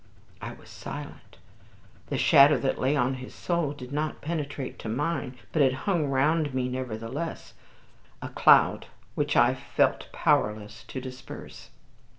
I was silent. The shadow that lay on his soul did not penetrate to mine, but it hung round me nevertheless, a cloud which I felt powerless to disperse.